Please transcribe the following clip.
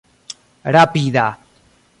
rapida